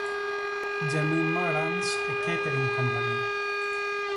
Jemima runs a catering company.